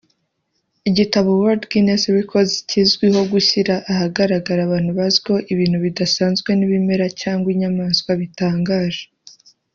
Igitabo World Guinness Records kizwiho gushyira ahagaragara abantu bazwiho ibintu bidasanzwe n’ibimera cyangwa inyamaswa bitangaje